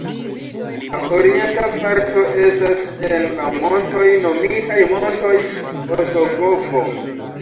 La orienta parto estas en la montoj nomitaj Montoj Osogovo.